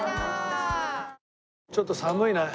ちょっと寒いね。